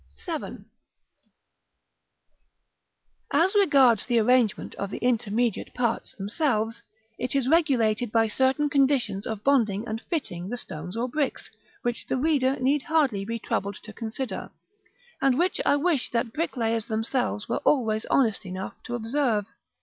[Illustration: Fig. III.] § VII. As regards the arrangement of the intermediate parts themselves, it is regulated by certain conditions of bonding and fitting the stones or bricks, which the reader need hardly be troubled to consider, and which I wish that bricklayers themselves were always honest enough to observe.